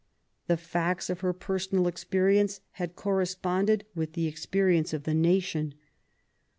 The facts of her personal experience had corresponded with the experience of the nation.